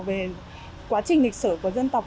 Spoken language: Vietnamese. về quá trình lịch sử của dân tộc